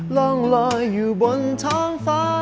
ร่องลอยอยู่บนท้องฟ้า